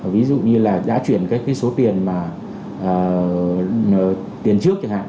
ví dụ như là đã chuyển các cái số tiền mà tiền trước chẳng hạn